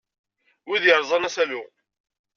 Wid yerẓan asalu.